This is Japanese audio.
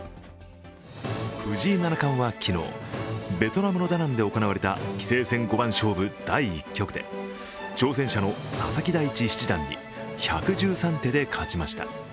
藤井七冠は昨日、ベトナムのダナンで行われた棋聖戦五番勝負第１局で挑戦者の佐々木大地七段に１１３手で勝ちました。